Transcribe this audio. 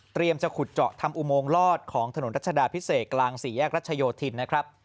เตรียมจะขุดเจาะทำอุโมงรอดของถนนรัชดาพิเศษกลาง๔แยกรัชโยธินฯ